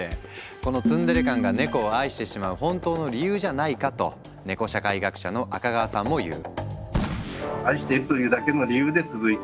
このツンデレ感がネコを愛してしまう本当の理由じゃないかとネコ社会学者の赤川さんも言う。